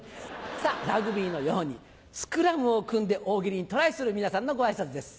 さぁラグビーのようにスクラムを組んで大喜利にトライする皆さんのご挨拶です。